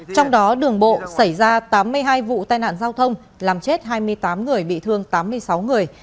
trong đó đường bộ xảy ra tám mươi hai vụ tai nạn giao thông làm chết hai mươi tám người bị thương tám mươi sáu người